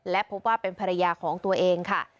และพบว่าเป็นภรรยาของตัวเองค่ะ